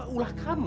ini semua ulah kamu